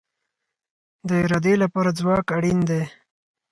د ارادې لپاره ځواک اړین دی